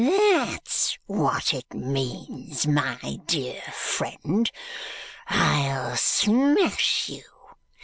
"That's what it means, my dear friend. I'll smash you.